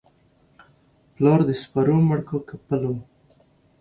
پلار دي سپرو مړ کى که پل؟